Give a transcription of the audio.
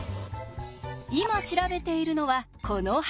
今調べているのはこの箱。